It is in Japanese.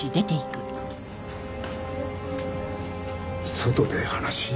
外で話？